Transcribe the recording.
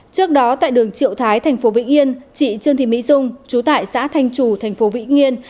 trước đó tại đường triệu thái thành phố vĩnh yên chị trương thị mỹ dung trú tại xã thanh chủ thành phố vĩnh yên